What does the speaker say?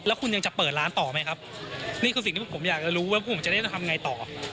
แล้วคุณยังจะเปิดร้านต่อไหมครับนี่คือสิ่งที่ผมอยากจะรู้ว่าผมจะได้ทำไงต่อ